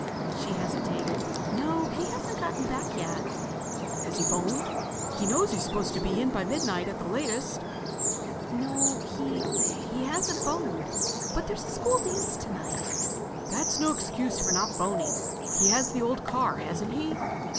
She hesitated. "No, he hasn't got back yet." "Has he phoned? He knows he's supposed to be in by midnight at the latest." "No, he—hasn't phoned. But there's a school dance tonight." "That's no excuse for not phoning. He has the old car, hasn't he?"